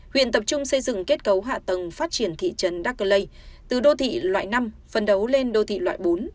huyện tập trung xây dựng kết cấu hạ tầng phát triển thị trấn đắc lê từ đô thị loại năm phần đấu lên đô thị loại bốn